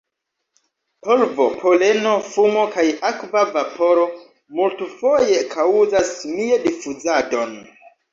Polvo, poleno, fumo kaj akva vaporo multfoje kaŭzas Mie-difuzadon.